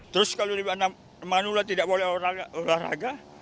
terus kalau manula tidak boleh olahraga